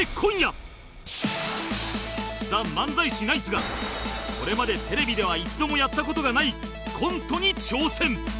ＴＨＥ 漫才師ナイツがこれまでテレビでは一度もやった事がないコントに挑戦